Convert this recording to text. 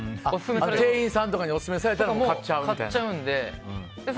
店員さんにオススメされたら買っちゃうみたいな？